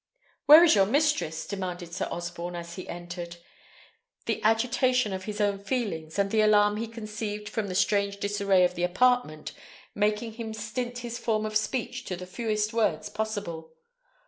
"Where is your mistress?" demanded Sir Osborne, as he entered; the agitation of his own feelings, and the alarm he conceived from the strange disarray of the apartment, making him stint his form of speech to the fewest words possible.